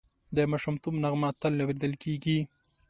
د ماشومتوب نغمه تل اورېدل کېږي